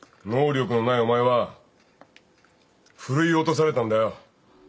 能力のないお前はふるい落とされたんだよ。